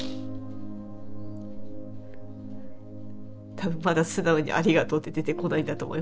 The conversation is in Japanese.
多分まだ素直に「ありがとう」って出てこないんだと思います。